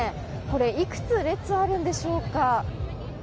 これ、いくつ列があるんでしょうか。